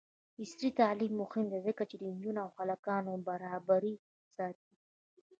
عصري تعلیم مهم دی ځکه چې د نجونو او هلکانو برابري ساتي.